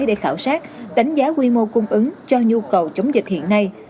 để khảo sát đánh giá quy mô cung ứng cho nhu cầu chống dịch hiện nay